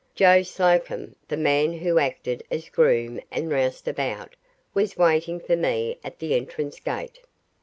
Joe Slocombe, the man who acted as groom and rouseabout, was waiting for me at the entrance gate.